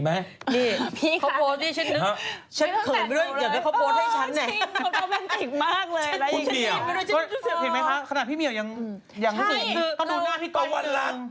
พาวอลลับ